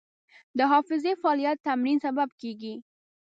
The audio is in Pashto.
د حافظې فعالیت د تمرین سبب کېږي.